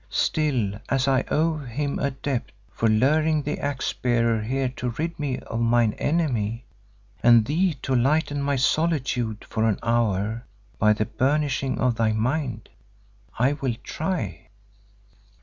Still, as I owe him a debt for luring the Axe Bearer here to rid me of mine enemy, and thee to lighten my solitude for an hour by the burnishing of thy mind, I will try.